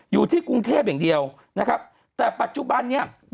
อยู่ที่กรุงเทพอย่างเดียวนะครับแต่ปัจจุบันเนี่ย